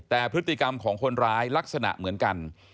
แต่พฤติกรรมของคนร้ายลักษณะเหมือนกัน